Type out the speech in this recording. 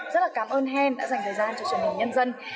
rất là cảm ơn hen đã dành thời gian cho truyền hình nhân dân